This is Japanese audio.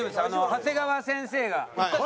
長谷川先生が。